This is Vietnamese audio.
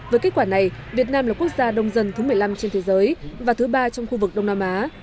với kết quả này việt nam là quốc gia đông dân thứ một mươi năm trên thế giới và thứ ba trong khu vực đông nam á